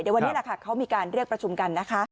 เดี๋ยววันนี้แหละค่ะเขามีการเรียกประชุมกันนะคะ